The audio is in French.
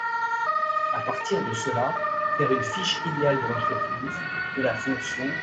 À partir de cela faire une fiche idéale de l'entreprise, de la fonction...